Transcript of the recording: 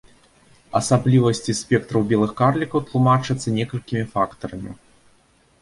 Асаблівасці спектраў белых карлікаў тлумачацца некалькімі фактарамі.